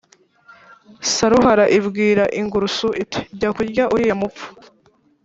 Saruhara ibwira ingurusu iti «jya kurya uriya mupfu